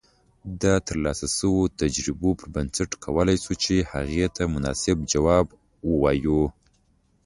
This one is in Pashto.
د ترلاسه شويو تجربو پر بنسټ کولای شو چې هغې ته مناسب جواب اوایو